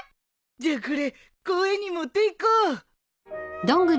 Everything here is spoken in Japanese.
じゃあこれ公園に持っていこう。